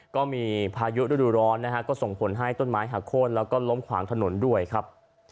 ก็มีพายุฤดูร้อนนะฮะก็ส่งผลให้ต้นไม้หักโค้นแล้วก็ล้มขวางถนนด้วยครับ